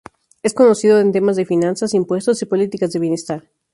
Es conocido en temas de finanzas, impuestos y políticas de bienestar.